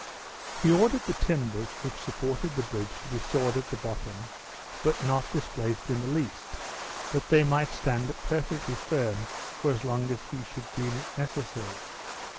He ordered the timbers which supported the bridge to be sawed at the bottom, but not displaced in the least, that they might stand perfectly firm for as long as he should deem it necessary.